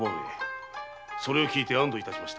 それを聞いて安堵いたしました。